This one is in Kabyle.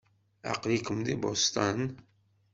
Aql-iken di Boston?